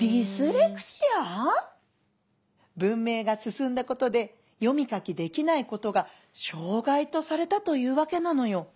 「文明が進んだことで読み書きできないことが障害とされたというわけなのよ」。